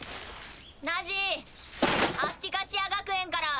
ナジアスティカシア学園から！